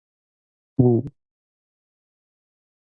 舞